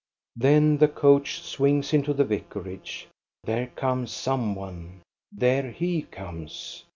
Then the coach swings into the vicarage, there comes some one, there he comes.